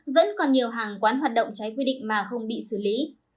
vẫn còn nhiều hàng quán hoạt động trái quy định mà không bị xử lý